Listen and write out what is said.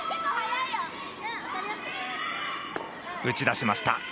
打ち出しました。